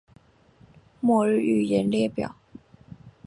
末日预言列表